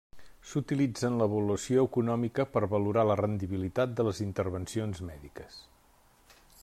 S'utilitza en l'avaluació econòmica per valorar la rendibilitat de les intervencions mèdiques.